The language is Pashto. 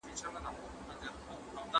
د جګړې پایلې همېشه ځورونکې دي.